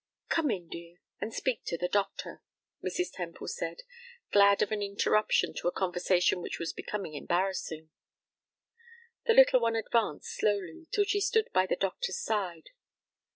"Come in, dear, and speak to the doctor," Mrs. Temple said, glad of an interruption to a conversation which was becoming embarrassing. The little one advanced slowly, till she stood by the doctor's side.